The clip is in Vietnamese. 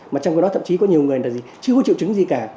mà trong cái đó thậm chí có nhiều người là chưa có triệu chứng gì cả